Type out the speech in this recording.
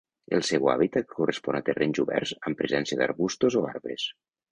El seu hàbitat correspon a terrenys oberts amb presència d'arbustos o arbres.